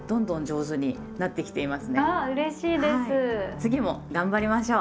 次も頑張りましょう！